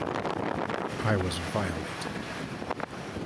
I was violated.